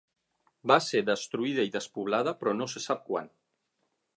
Va ser destruïda i despoblada però no se sap quant.